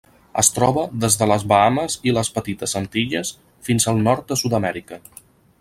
Es troba des de les Bahames i les Petites Antilles fins al nord de Sud-amèrica.